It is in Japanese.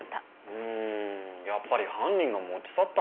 うんやっぱり犯人が持ち去ったのかな？